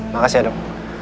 makasih ya dok